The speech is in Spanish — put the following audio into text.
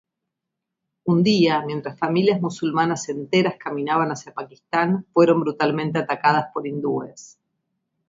Un día, mientras familias musulmanas enteras caminaban hacia Pakistán, fueron brutalmente atacadas por hindúes.